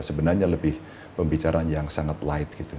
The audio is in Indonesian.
sebenarnya lebih pembicaraan yang sangat light gitu